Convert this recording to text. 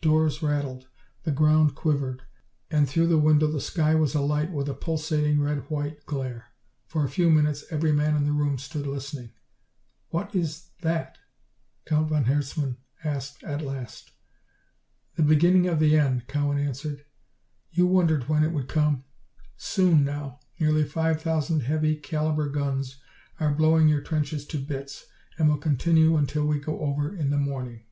Doors rattled, the ground quivered, and through the window the sky was alight with a pulsating red white glare. For a few minutes every man in the room stood listening. "What is that?" Count von Herzmann asked at last. "The beginning of the end," Cowan answered. "You wondered when it would come. Soon now. Nearly five thousand heavy calibre guns are blowing your trenches to bits, and will continue until we go over in the morning."